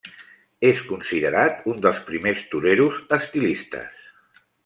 És considerat un dels primers toreros estilistes.